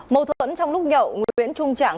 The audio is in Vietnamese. mâu thuẫn trong lúc nhậu nguyễn trung trạng